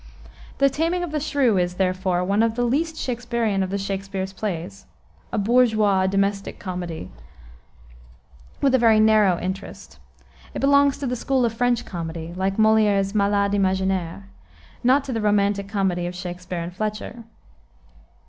The Taming of the Shrew is, therefore, one of the least Shaksperian of Shakspere's plays; a bourgeois, domestic comedy, with a very narrow interest. It belongs to the school of French comedy, like Moliere's Malade Imaginaire, not to the romantic comedy of Shakspere and Fletcher.